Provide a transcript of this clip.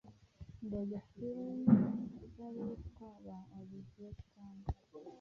ndebye film z’abitwa ba Oliver Stone,